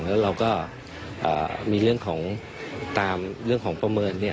แล้วเราก็มีเรื่องของตามเรื่องของประเมิน